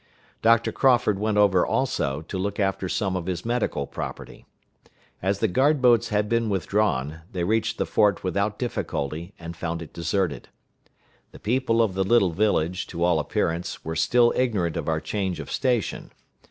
Doctor Crawford went over also, to look after some of his medical property. As the guard boats had been withdrawn, they reached the fort without difficulty, and found it deserted. The people of the little village, to all appearance, were still ignorant of our change of station.